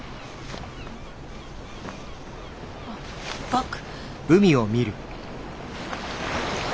あっバッグ。